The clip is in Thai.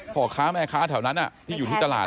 พ่อค้าแม่ค้าแถวนั้นที่อยู่ที่ตลาด